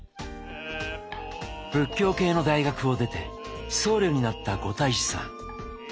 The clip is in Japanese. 仏教系の大学を出て僧侶になった五太子さん。